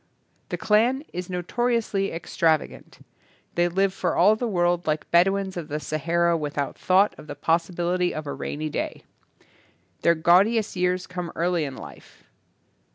The clan is notoriously extravagant. They live for all the world like Bed ouins of the Sahara without thought of the possibility of a rainy day. Their gaudiest years come early in life.